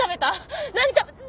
何食べた！？